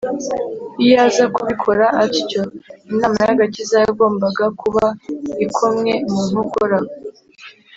Iyo aza kubikora atyo, inama y’agakiza yagombaga kuba ikomwe mu nkokora.